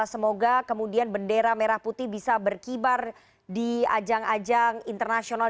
semoga kemudian bendera merah putih bisa berkibar di ajang ajang internasional